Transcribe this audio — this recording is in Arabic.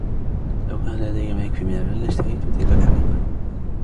لو كان لدي ما يكفي من المال لاشتريت تلك الحقيبة.